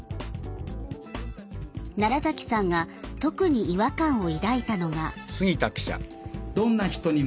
奈良さんが特に違和感を抱いたのが。